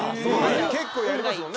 結構やりますもんね。